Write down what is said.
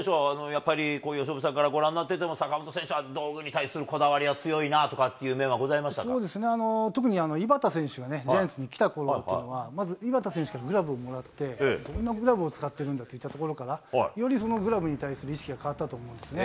やっぱり由伸さんからご覧になっていても、坂本選手は道具に対するこだわりは強いなとかいう面はございましそうですね、特にいばた選手がね、ジャイアンツに来たころというのはまず井端選手からグラブをもらって、どんなグラブを使ってるんだっていうところから、よりそのグラブに対する意識が変わったと思いますね。